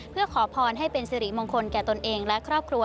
เพื่อขอพรให้เป็นสิริมงคลแก่ตนเองและครอบครัว